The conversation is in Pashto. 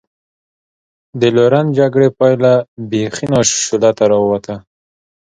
د لورن جګړې پایله بېخي ناشولته را ووته.